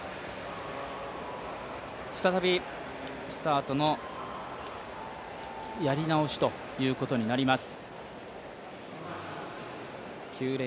再びスタートのやり直しということになります。